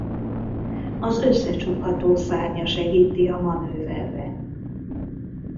Az összecsukható szárnya segíti a manőverre.